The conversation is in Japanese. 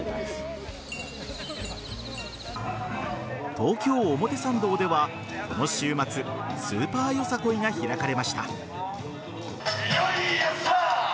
東京・表参道では、この週末スーパーよさこいが開かれました。